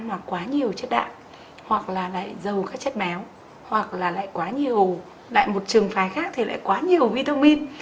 mà quá nhiều chất đạn hoặc là lại dầu các chất máu hoặc là lại quá nhiều lại một trường phái khác thì lại quá nhiều vitamin